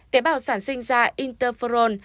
tế bào sản sinh ra interferon